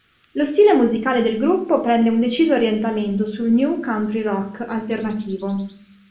Lo stile musicale del gruppo prende un deciso orientamento sul new country rock alternativo.